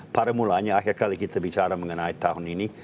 pada mulanya akhir kali kita bicara mengenai tahun ini